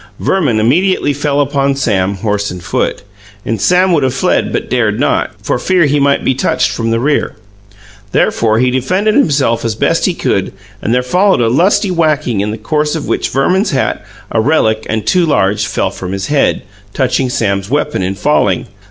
Verman immediately fell upon Sam, horse and foot, and Sam would have fled but dared not, for fear he might be touched from the rear. Therefore, he defended himself as best he could, and there followed a lusty whacking, in the course of which Verman's hat, a relic and too large, fell from his head, touching Sam's weapon in falling.